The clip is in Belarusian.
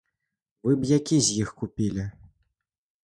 Вы б які з іх купілі?